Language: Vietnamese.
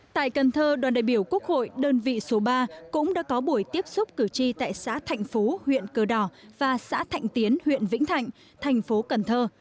tại cần thơ đoàn đại biểu quốc hội đơn vị số ba cũng đã có buổi tiếp xúc cử tri tại xã thạnh phú huyện cờ đỏ và xã thạnh tiến huyện vĩnh thạnh thành phố cần thơ